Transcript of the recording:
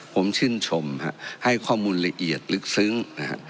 ผมชื่นชมฮะให้ข้อมูลละเอียดลึกซึ้งนะฮะ